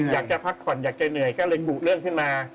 อยากจะพักผ่อนอยากจะเหนื่อยก็เลยบุเรื่องขึ้นมา